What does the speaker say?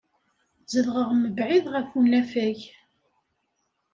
Zedɣeɣ mebɛid ɣef unafag.